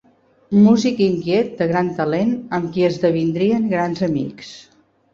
Músic inquiet de gran talent amb qui esdevindrien grans amics.